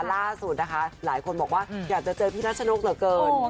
ล่าสุดนะคะหลายคนบอกว่าอยากจะเจอพี่นัชนกเหลือเกิน